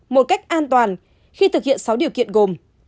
một cách an toàn khi thực hiện sáu điều kiện gồm